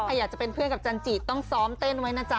อยากจะเป็นเพื่อนกับจันจิต้องซ้อมเต้นไว้นะจ๊